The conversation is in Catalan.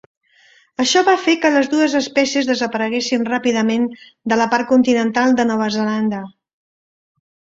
Això va fer que les dues espècies desapareguessin ràpidament de la part continental de Nova Zelanda.